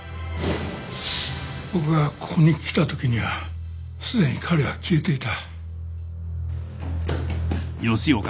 僕がここに来たときにはすでに彼は消えていた。